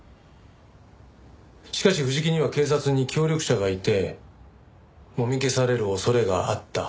しかし藤木には警察に協力者がいてもみ消される恐れがあった。